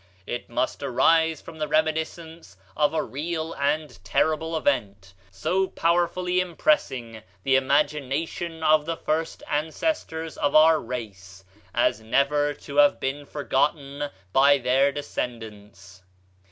It must arise from the reminiscence of a real and terrible event, so powerfully impressing the imagination of the first ancestors of our race as never to have been forgotten by their descendants.